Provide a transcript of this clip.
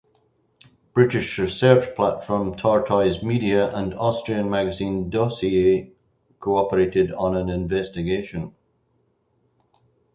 British research platform Tortoise Media and Austrian magazine Dossier cooperated on an investigation.